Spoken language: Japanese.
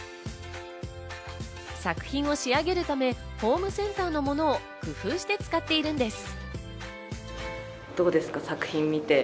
作品を仕上げるためホームセンターのものを工夫して使っているんです。